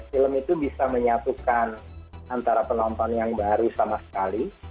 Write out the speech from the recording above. film itu bisa menyatukan antara penonton yang baru sama sekali